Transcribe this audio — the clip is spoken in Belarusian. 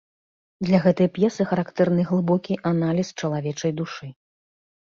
Для гэтай п'есы характэрны глыбокі аналіз чалавечай душы.